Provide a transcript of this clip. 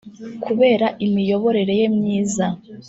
kubera imiyoborere ye myiza